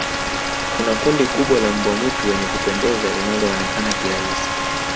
kuna kundi kubwa la mbwa mwitu wenye kupendeza linaloonekana kirahisi